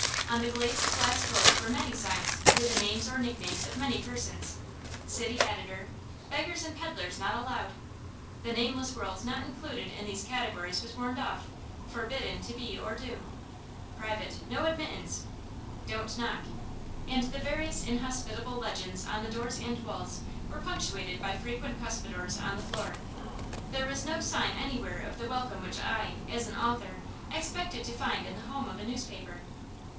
On the glazed glass doors were many signs with the names or nicknames of many persons: "City Editor"; "Beggars and Peddlers not Allowed." The nameless world not included in these categories was warned off, forbidden to be or do: "Private No Admittance"; "Don't Knock." And the various inhospitable legends on the doors and walls were punctuated by frequent cuspidors on the floor. There was no sign anywhere of the welcome which I, as an author, expected to find in the home of a newspaper.